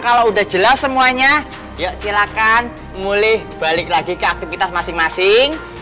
kalau udah jelas semuanya yuk silahkan mulih balik lagi ke aktivitas masing masing